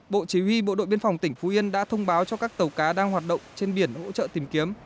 bộ chỉ huy bộ đội biên phòng tỉnh phú yên đã thông báo cho các tàu cá đang hoạt động trên biển hỗ trợ tìm kiếm